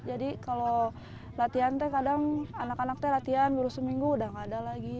jadi kalau latihan kadang anak anak latihan baru seminggu udah gak ada lagi